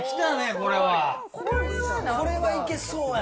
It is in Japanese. これはいけそうやな。